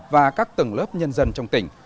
và các tầng lớp nhân dân trong tỉnh